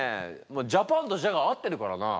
「ジャパン」と「ジャ」が合ってるからなあ。